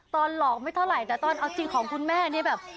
ตอนหลอกไม่เท่าไหร่แต่ตอนเอาจริงของคุณแม่นี่แบบ